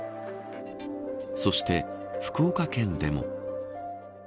そして福岡県でも。